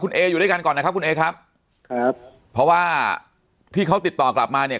เออยู่ด้วยกันก่อนนะครับคุณเอครับครับเพราะว่าที่เขาติดต่อกลับมาเนี่ย